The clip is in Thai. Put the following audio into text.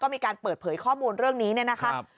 ก็มีการเปิดเผยข้อมูลเรื่องนี้นะครับ